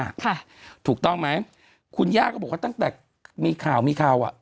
ค่ะถูกต้องไหมคุณย่าก็บอกว่าตั้งแต่มีข่าวมีข่าวอ่ะ